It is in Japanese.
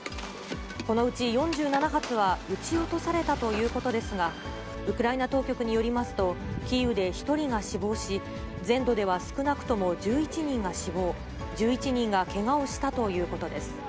このうち４７発は撃ち落とされたということですが、ウクライナ当局によりますと、キーウで１人が死亡し、全土では少なくとも１１人が死亡、１１人がけがをしたということです。